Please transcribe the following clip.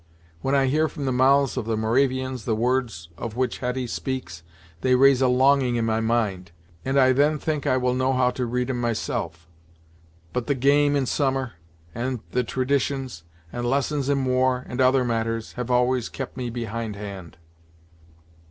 When I hear from the mouths of the Moravians the words of which Hetty speaks, they raise a longing in my mind, and I then think I will know how to read 'em myself; but the game in summer, and the traditions, and lessons in war, and other matters, have always kept me behind hand."